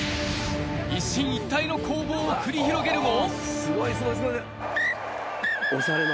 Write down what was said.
一進一退の攻防を繰り広げるも。